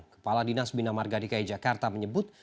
kepala dinas bina marga dki jakarta menyebut